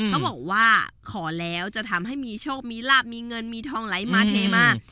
เขาบอกว่าขอแล้วจะทำให้มีโชคมีลาบมีเงินมีทองไหลมาเทมาก